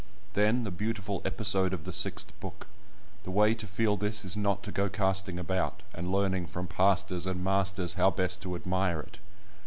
Then the beautiful episode of the Sixth Book: the way to feel this is not to go casting about, and learning from pastors and masters how best to admire it.